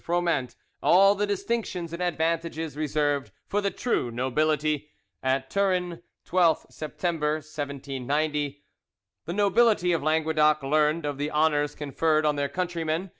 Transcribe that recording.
Froment all the distinctions and advantages reserved for the true nobility. "At TURIN, 12th September 1790." The nobility of Languedoc learned of the honours conferred on their countryman, M.